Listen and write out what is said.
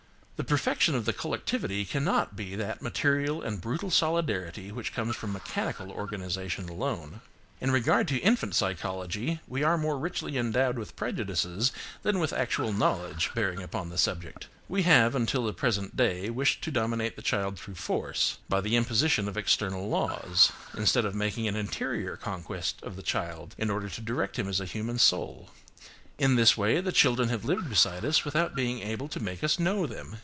The perfection of the collectivity cannot be that material and brutal solidarity which comes from mechanical organisation alone. In regard to infant psychology, we are more richly endowed with prejudices than with actual knowledge bearing upon the subject. We have, until the present day, wished to dominate the child through force, by the imposition of external laws, instead of making an interior conquest of the child, in order to direct him as a human soul. In this way, the children have lived beside us without being able to make us know them.